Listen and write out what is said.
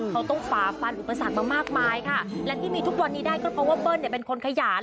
เขาต้องฝาฟันอุปสรรคมามากมายค่ะและที่มีทุกวันนี้ได้ก็เพราะว่าเบิ้ลเนี่ยเป็นคนขยัน